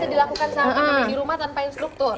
ini yang bisa dilakukan sama mami di rumah tanpa instruktur